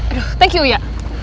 aduh thank you ya